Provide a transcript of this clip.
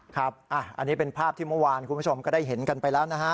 ครับอันนี้เป็นภาพที่เมื่อวานคุณผู้ชมก็ได้เห็นกันไปแล้วนะฮะ